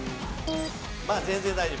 まだ全然大丈夫。